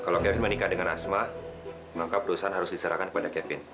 kalau kevin menikah dengan asma maka perusahaan harus diserahkan kepada kevin